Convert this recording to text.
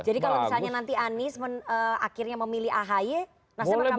jadi kalau misalnya nanti anies akhirnya memilih ahy nasdem akan menerima